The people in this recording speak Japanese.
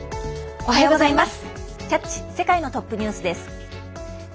おはようございます！